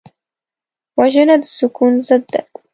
وژنه د سکون ضد ده